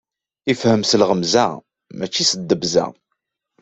Ifhem s lɣemza, mačči s ddebza.